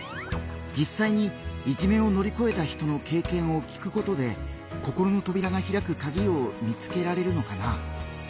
じっさいにいじめを乗り越えた人の経験を聞くことで心のとびらがひらくカギを見つけられるのかな？